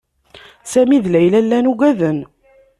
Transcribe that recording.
Sami d Layla llan uggaden.